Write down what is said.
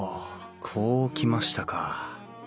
こうきましたか。